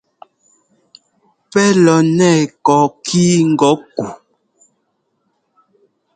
Pɛ́ lɔ nɛɛ kɔɔkí ŋgɔ̌ ku?